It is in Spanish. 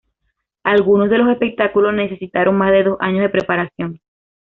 Algunos de los espectáculos necesitaron más de dos años de preparación.